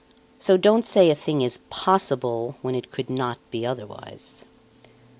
So don't say a thing is possible, when it could not be otherwise.